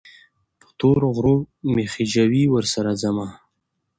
په تورو غرو مې خېژوي، ورسره ځمه